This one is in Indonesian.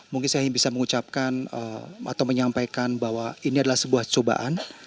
mungkin saya ingin bisa mengucapkan atau menyampaikan bahwa ini adalah sebuah cobaan